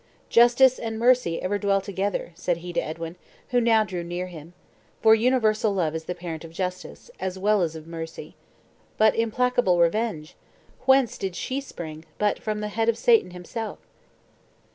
"Justice and mercy ever dwell together," said he to Edwin, who now drew near him; "for universal love is the parent of justice, as well as of mercy. But implacable Revenge! whence did she spring, but from the head of Satan himself?"